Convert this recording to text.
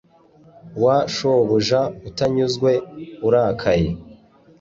wa shobuja utanyuzwe urakaye